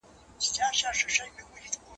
خر غریب هم یوه ورځ په هرها سو